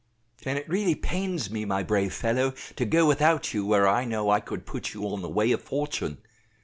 "And it really pains me, my brave fellow, to go without you where I know I could put you on the way of fortune.